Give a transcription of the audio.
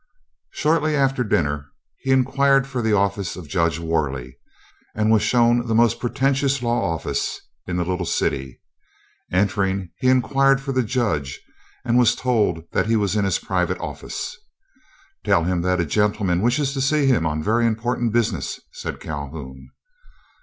Shortly after dinner he inquired for the office of Judge Worley, and was shown the most pretentious law office in the little city. Entering, he inquired for the Judge, and was told that he was in his private office. "Tell him that a gentleman wishes to see him on very important business," said Calhoun.